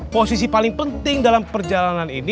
posisi paling penting dalam perjalanan ini